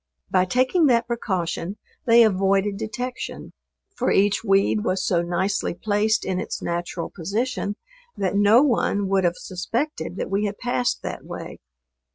By taking that precaution they avoided detection; for each weed was so nicely placed in its natural position that no one would have suspected that we had passed that way.